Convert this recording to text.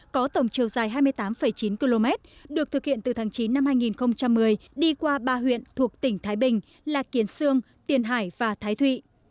có tổng chiều dài hai mươi tám chín km được thực hiện từ tháng chín năm hai nghìn một mươi đi qua ba huyện thuộc tỉnh thái bình là kiến sương tiền hải và thái thụy